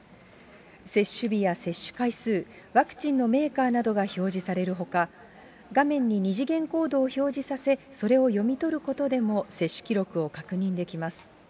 接種日や接種回数、ワクチンのメーカーなどが表示されるほか、画面に２次元コードを表示させ、それを読み取ることでも接種記録を確認できます。